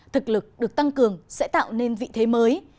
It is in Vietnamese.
thực lực được tăng cường sẽ tạo nên vị thế mới